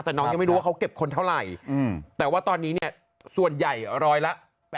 แต่น้องยังไม่รู้ว่าเขาเก็บคนเท่าไหร่แต่ว่าตอนนี้เนี่ยส่วนใหญ่ร้อยละ๘๐